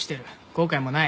後悔もない。